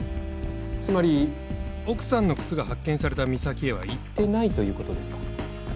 つまり奥さんの靴が発見された岬へは行ってないということですか？